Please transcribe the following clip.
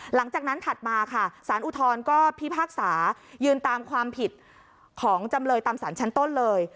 หลังจากนั้นถัดมาค่ะสารอุทธรณ์ก็พิพากษายืนตามความผิดของจำเลยตามสารชั้นต้นเลย